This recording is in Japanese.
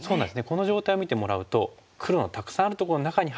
この状態を見てもらうと黒のたくさんあるとこの中に入ってきたんですからね